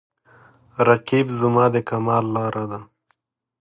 رقیب زما د کمال لاره ده